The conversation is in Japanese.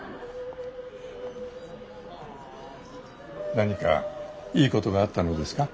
何かいいことがあったのですか？